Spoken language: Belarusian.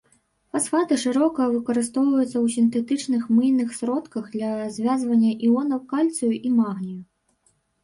Фасфаты шырока выкарыстоўваюцца ў сінтэтычных мыйных сродках для звязвання іонаў кальцыю і магнію.